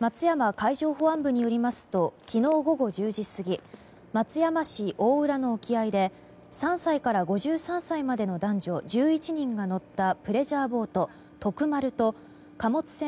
松山海上保安部によりますと昨日午後１０時過ぎ松山市大浦の沖合で３歳から５３歳までの男女１１人が乗ったプレジャーボート「とく丸」と貨物船